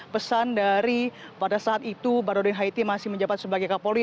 pesan dari pada saat itu barodin haiti masih menjabat sebagai kapolri